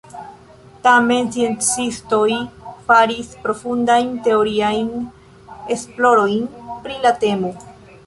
Tamen sciencistoj faris profundajn teoriajn esplorojn pri la temo.